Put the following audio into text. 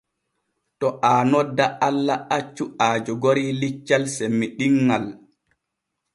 To aa nodda Allah accu aa jogori liccal semmiɗinŋal.